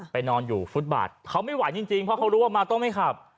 นอนอยู่ฟุตบาทเขาไม่ไหวจริงเพราะเขารู้ว่ามาต้องไม่ขับ